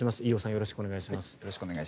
よろしくお願いします。